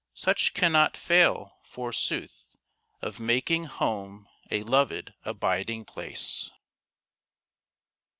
Such cannot fail, forsooth, Of making home a loved abiding place.